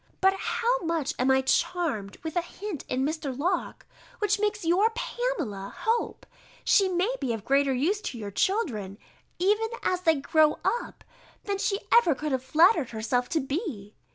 But how much I am charmed with a hint in Mr. Locke, which makes your Pamela hope, she may be of greater use to your children, even as they grow up, than she could ever have flattered herself to be.